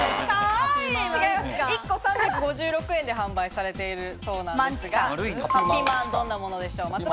１個３５６円で販売されているそうなんですが、ハピまん、どんなものでしょう。